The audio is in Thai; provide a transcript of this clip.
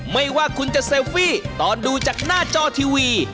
ไม่ว่าคุณจะเซลฟี่ตอนดูจากหน้าจอทีวี